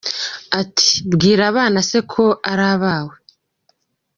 Ati:”bwira n’aba se ko ari abawe”!